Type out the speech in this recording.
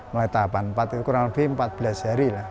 meletapan kurang lebih empat belas hari lah